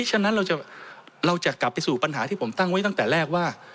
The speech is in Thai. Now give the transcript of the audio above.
ฉะนั้นเราจะกลับไปสู่ปัญหาที่ผมตั้งไว้ตั้งแต่แรกว่า